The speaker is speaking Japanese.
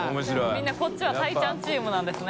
みんなこっちはたいちゃんチームなんですね。